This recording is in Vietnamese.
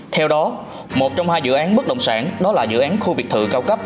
theo đó một trong hai dự án bất động sản đó là dự án khu biệt thự cao cấp